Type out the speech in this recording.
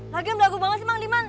lagi yang berdagu banget sih mang diman